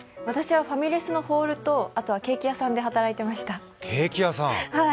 私はファミレスのホールとケーキ屋さんで働いてました。